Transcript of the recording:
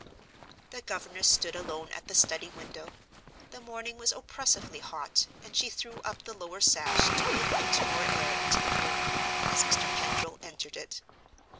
The governess stood alone at the study window. The morning was oppressively hot, and she threw up the lower sash to admit more air into the room, as Mr. Pendril entered it.